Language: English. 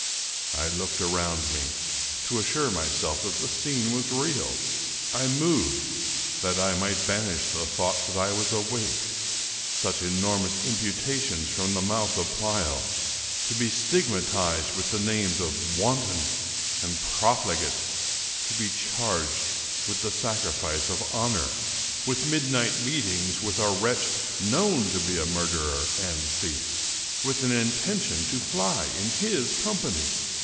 I looked around me, to assure myself that the scene was real. I moved, that I might banish the doubt that I was awake. Such enormous imputations from the mouth of Pleyel! To be stigmatized with the names of wanton and profligate! To be charged with the sacrifice of honor! with midnight meetings with a wretch known to be a murderer and thief! with an intention to fly in his company!